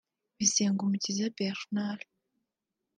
Bisengumukiza Bernard